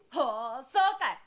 そうかい。